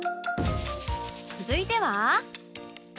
続いては